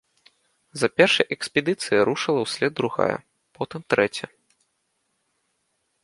За першай экспедыцыяй рушыла ўслед другая, потым трэцяя.